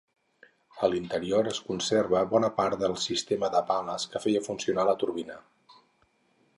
A l'interior es conserva bona part del sistema per pales que feia funcionar la turbina.